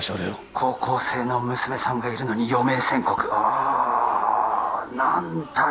高校生の娘さんがいるのに余命宣告あっ何たる